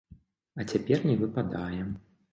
А цяпер не выпадае.